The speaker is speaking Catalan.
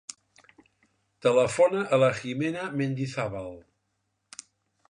Telefona a la Jimena Mendizabal.